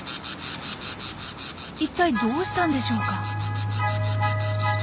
一体どうしたんでしょうか？